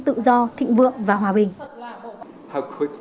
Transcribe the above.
tự do thịnh vượng và hòa bình